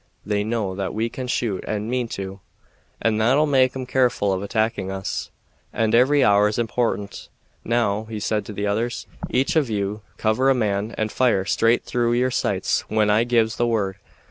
They know that we can shoot and mean to, and that 'll make 'em careful of attacking us, and every hour is important. Now," he said to the others, "each of you cover a man and fire straight through your sights when I gives the word.